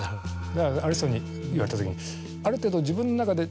だからある人に言われた「ある程度自分の中で」。